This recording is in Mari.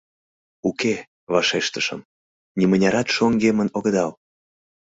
«Уке, — вашештышым, — нимынярат шоҥгемын огыдал».